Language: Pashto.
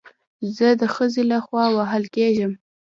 زه د خځې له خوا وهل کېږم